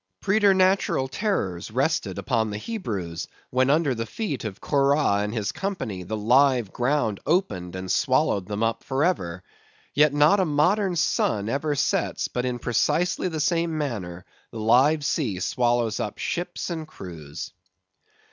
Preternatural terrors rested upon the Hebrews, when under the feet of Korah and his company the live ground opened and swallowed them up for ever; yet not a modern sun ever sets, but in precisely the same manner the live sea swallows up ships and crews.